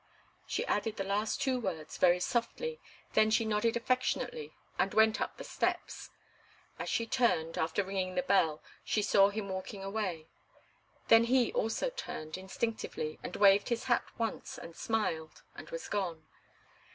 She added the last two words very softly. Then she nodded affectionately and went up the steps. As she turned, after ringing the bell, she saw him walking away. Then he also turned, instinctively, and waved his hat once, and smiled, and was gone.